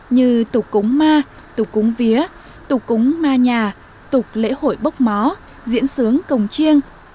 như tục cúng ma tục cúng vía tục cúng ma nhà tục lễ hội bốc mó diễn sướng cồng chiêng